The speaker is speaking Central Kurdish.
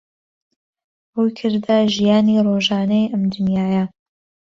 ڕوویکردە ژیانی ڕۆژانەی ئەم دنیایە